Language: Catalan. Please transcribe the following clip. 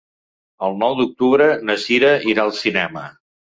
El nou d'octubre na Cira irà al cinema.